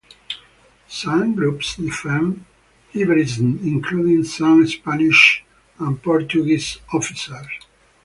Some groups defend Iberism, including some Spanish and Portuguese officers.